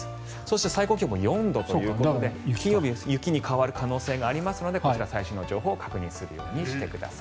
最高気温４度ということで金曜日は雪に変わる可能性がありますのでこちら、最新の情報を確認するようにしてください。